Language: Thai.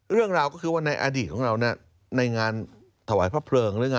เรื่องราวก็คือว่าในอดีตของเราน่ะในงานถวายพระเผลิง